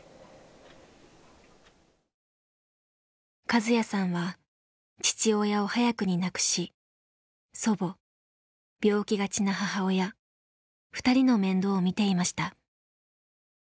カズヤさんは父親を早くに亡くし祖母病気がちな母親２人の面倒を見ていました。